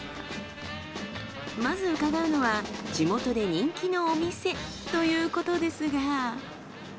まず伺うのは地元で人気のお店ということですが。